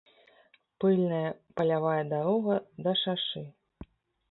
Пыльная палявая дарога да шашы.